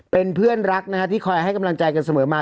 เป็นเพื่อนรักนะฮะที่คอยให้กำลังใจกันเสมอมา